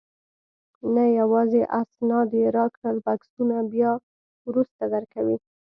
نه، یوازې اسناد یې راکړل، بکسونه بیا وروسته درکوي.